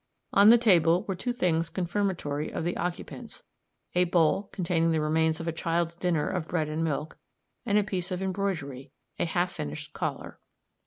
On the table were two things confirmatory of the occupants a bowl, containing the remains of a child's dinner of bread and milk, and a piece of embroidery a half finished collar.